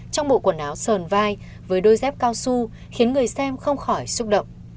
trong bộ quần áo sờn vai với đôi dép cao su khiến người xem không khỏi xúc động